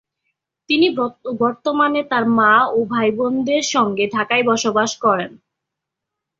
তিনি বর্তমানে তার মা ও ভাইবোনদের সঙ্গে ঢাকায় বসবাস করছেন।